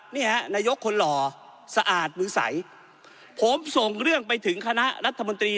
นายกคนหล่อสะอาดมือใสผมส่งเรื่องไปถึงคณะรัฐมนตรี